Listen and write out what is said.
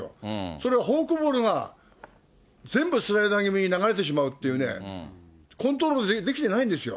それはフォークボールが全部スライダー気味に流れてしまうっていうね、コントロールできてないんですよ。